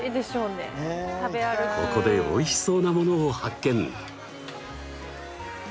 ここでおいしそうなものを発見！